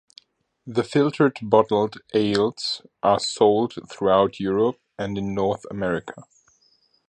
The filtered bottled ales are sold throughout Europe and in North America.